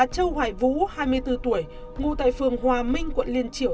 châu hoài vũ hai mươi bốn tuổi ngụ tại phường hòa minh quận liên triểu